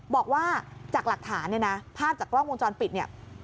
บอกว่าจากหลักฐานเนี่ยนะภาพจากกล้องวงจรปิดเนี่ย